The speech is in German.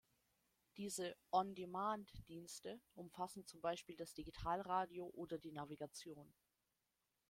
Diese "On-demand"-Dienste umfassen zum Beispiel das Digitalradio oder die Navigation.